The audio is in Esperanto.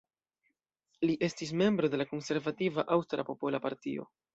Li estis membro de la konservativa Aŭstra Popola Partio.